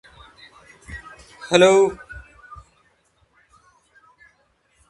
The weak script further detracted from my overall enjoyment of the film.